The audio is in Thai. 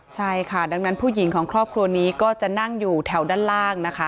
ใช่ค่ะดังนั้นผู้หญิงของครอบครัวนี้ก็จะนั่งอยู่แถวด้านล่างนะคะ